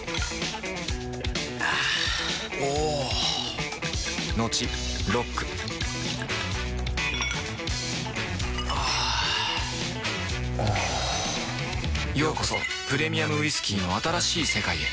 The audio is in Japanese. あぁおぉトクトクあぁおぉようこそプレミアムウイスキーの新しい世界へ